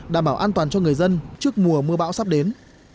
đảm bảo an toàn cho người dân trước mùa mưa bão sắp đến